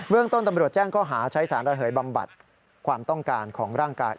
เรื่องต้นตำรวจแจ้งข้อหาใช้สารระเหยบำบัดความต้องการของร่างกาย